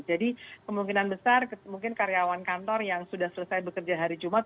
jadi kemungkinan besar mungkin karyawan kantor yang sudah selesai bekerja hari jumat